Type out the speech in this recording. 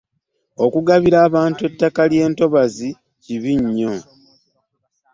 Okugabira abantu ettaka ly'entobazzi kibi nnyo.